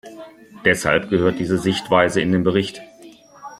Deshalb gehört diese Sichtweise in den Bericht.